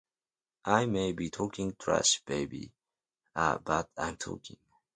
I may be talking trash, baby, but I'm talking.